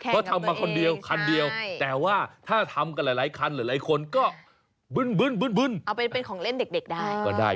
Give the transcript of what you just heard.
ก็ทำมาคนเดียวคันเดียวแข่งกับตัวเองใช่